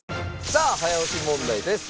さあ早押し問題です。